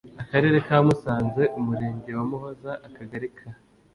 akarere ka musanze umurenge wa muhoza akagari ka